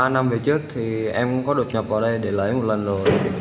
ba năm về trước thì em cũng có đột nhập vào đây để lấy một lần rồi